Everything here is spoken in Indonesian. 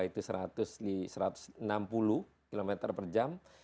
itu satu ratus enam puluh km per jam